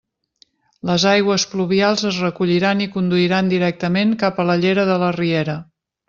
Les aigües pluvials es recolliran i conduiran directament cap a la llera de la riera.